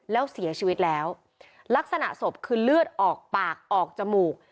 แล้วเสียชีวิตแล้วลักษณะศพคือเลือดออกปากออกจมูก